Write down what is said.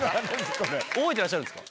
覚えてらっしゃるんですか？